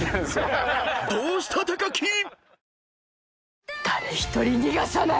［どうした⁉木］